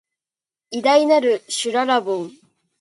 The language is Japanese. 偉大なる、しゅららぼん